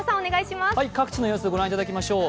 各地の様子、ご覧いただきましょう。